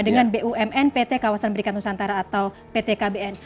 dengan bumn pt kawasan berikat nusantara atau pt kbn